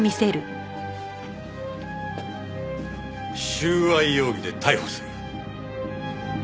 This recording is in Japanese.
収賄容疑で逮捕する。